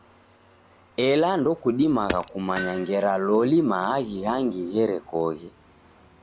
Ela ndokudimagha kumanya ngera loli maaghi ghangi gherekoghe.